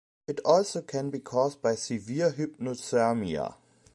It can also be caused by severe hyponatremia.